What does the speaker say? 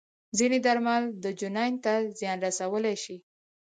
ځینې درمل د جنین ته زیان رسولی شي.